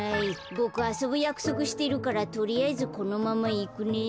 ボクあそぶやくそくしてるからとりあえずこのままいくね。